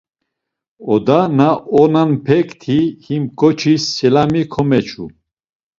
Odas na onanpekti him ǩoçis selami komeçu.